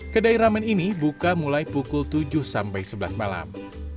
kedai ramen ini buka mulai pukul tujuh sampai sebelas malam